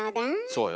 そうよ。